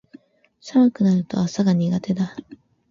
寒くなると朝が苦手だ